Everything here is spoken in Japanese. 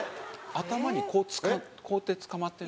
頭にこうこうやってつかまってる？